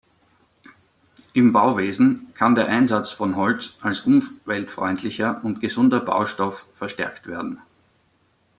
Im Bauwesen kann der Einsatz von Holz als umweltfreundlicher und gesunder Baustoff verstärkt werden.